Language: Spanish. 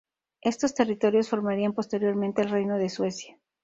Esos territorios formarían posteriormente el reino de Suecia.